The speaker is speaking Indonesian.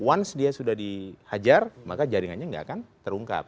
once dia sudah dihajar maka jaringannya nggak akan terungkap